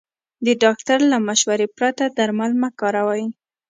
د ډاکټر له مشورې پرته درمل مه کاروئ.